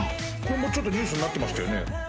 これもちょっとニュースになってましたよね。